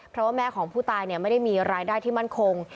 เพราะว่าแม่ของผู้ตายไม่ได้มีรายได้ที่มั่นคง